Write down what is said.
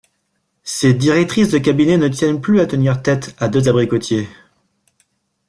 Ces directrices de cabinet ne tiennent plus à tenir tête à deux abricotiers.